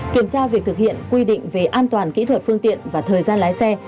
kiểm tra việc thực hiện quy định về an toàn kỹ thuật phương tiện và thời gian lái xe